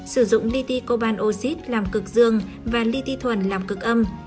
sử dụng li ti cobalt oxid làm cực dương và li ti thuần làm cực âm